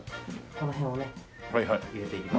この辺をね入れていきます。